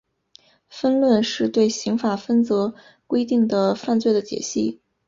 分论是对刑法分则规定的犯罪的解析。